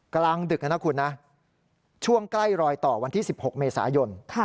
กลางดึกนะคุณนะช่วงใกล้รอยต่อวันที่๑๖เมษายน